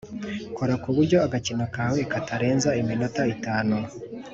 Kora ku buryo agakino kawe katarenza iminota itanu